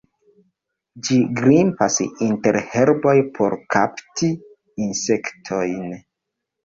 Ĝi grimpas inter herboj por kapti insektojn.